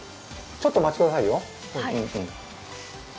ちょっとお待ちくださいよ。